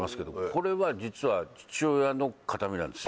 これは実は父親の形見なんです。